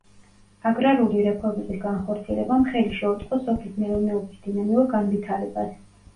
აგრარული რეფორმების განხორციელებამ ხელი შეუწყო სოფლის მეურნეობის დინამიურ განვითარებას.